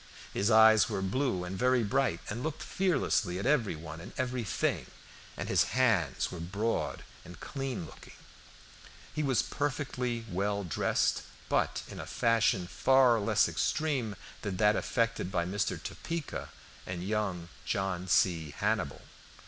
His eyes were blue and very bright, and looked fearlessly at every one and everything, and his hands were broad and clean looking. He was perfectly well dressed, but in a fashion far less extreme than that affected by Mr. Topeka and young John C. Hannibal.